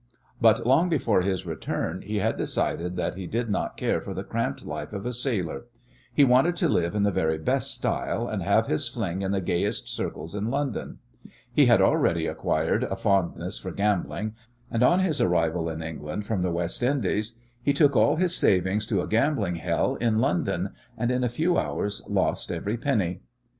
But long before his return he had decided that he did not care for the cramped life of a sailor. He wanted to live in the very best style, and have his fling in the gayest circles in London. He had already acquired a fondness for gambling, and on his arrival in England from the West Indies he took all his savings to a gambling hell in London, and in a few hours lost every penny.